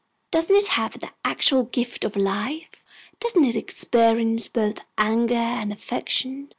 Doesn't it have the actual gift of life? Doesn't it experience both anger and affection?